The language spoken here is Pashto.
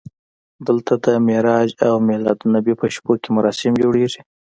دلته د معراج او میلادالنبي په شپو کې مراسم جوړېږي.